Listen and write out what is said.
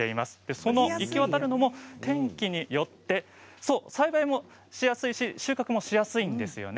その行き渡るのも天気によって栽培もしやすいし収穫もしやすいですよね。